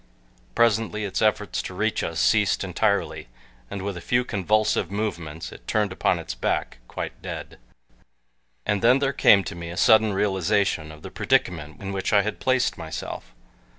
Presently its efforts to reach us ceased entirely, and with a few convulsive movements it turned upon its back quite dead. And then there came to me a sudden realization of the predicament in which I had placed myself.